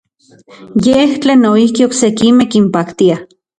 Yej tlen noijki oksekimej kinpaktia.